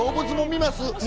見ます。